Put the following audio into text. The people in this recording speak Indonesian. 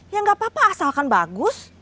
ya nggak apa apa asalkan bagus